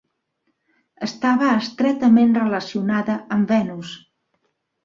Estava estretament relacionada amb Venus.